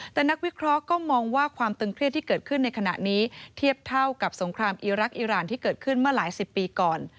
แต่นักวิเคราะห์ก็มองว่าความตึงเครียดที่เกิดขึ้นในขณะนี้เทียบเท่ากับสงครามอีรักษ์อิราณที่เกิดขึ้นเมื่อหลายสิบปีก่อน